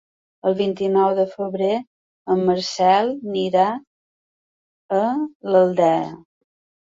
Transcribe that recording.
El vint-i-nou de febrer en Marcel irà a l'Aldea.